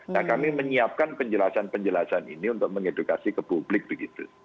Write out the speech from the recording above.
nah kami menyiapkan penjelasan penjelasan ini untuk mengedukasi ke publik begitu